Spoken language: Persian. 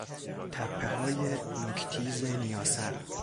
تپههای نوک تیز نیاسر